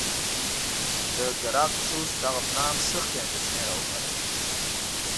د ګراکچوس دغه پلان سختې اندېښنې را وپارولې.